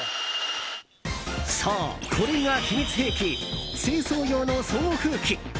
そう、これが秘密兵器清掃用の送風機。